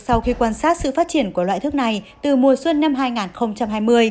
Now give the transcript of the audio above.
sau khi quan sát sự phát triển của loại thức này từ mùa xuân năm hai nghìn hai mươi